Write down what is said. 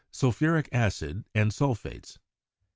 sulphuric acid and sulphates.